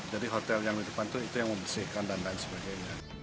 jadi hotel yang di depan itu itu yang membersihkan dan lain sebagainya